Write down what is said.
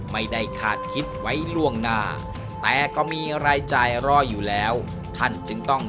ไม่ได้คาดคิดไว้ล่วงหน้าแต่ก็มีรายจ่ายรออยู่แล้วท่านจึงต้อง